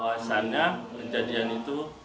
kalau asalnya kejadian itu